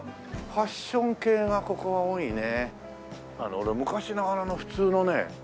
俺昔ながらの普通のね。